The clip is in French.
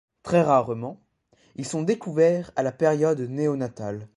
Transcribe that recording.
Très rarement, ils sont découverts à la période néo-natale.